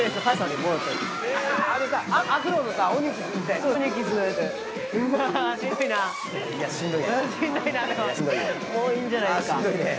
もうこんな長尺いいんじゃないですか？